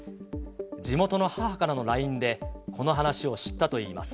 地元の母からのＬＩＮＥで、この話を知ったといいます。